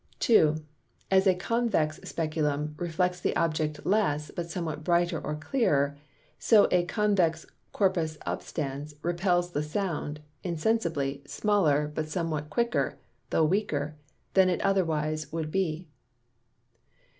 2. As a Convex Speculum reflects the Object less, but somewhat brighter or clearer: So a Convex Corpus Obstans repels the Sound (insensibly) smaller; but somewhat quicker (though weaker) than otherwise it would be.